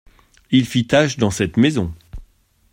Il fit tache dans cette maison.